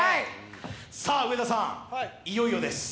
上田さん、いよいよです。